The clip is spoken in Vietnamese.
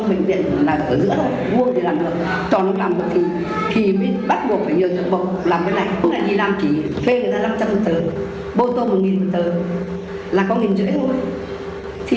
cứ này đi làm kỹ thuê người ta năm trăm linh một tờ bô tô một một tờ là có nghìn rưỡi thôi